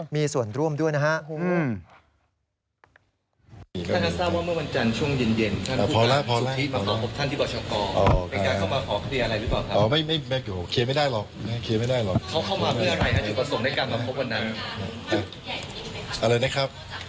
มีส่วนร่วมด้วยนะฮะ